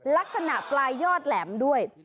ลักษณะปลายยอดแหลมด้วย